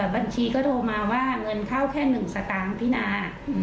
บัญชีก็โทรมาว่าเงินเข้าแค่๑สตางค์พี่นา